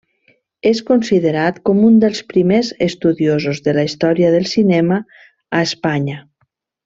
És considerat com un dels primers estudiosos de la història del cinema a Espanya.